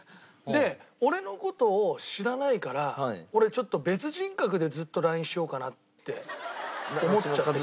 で俺の事を知らないから俺ちょっと別人格でずっとＬＩＮＥしようかなって思っちゃって。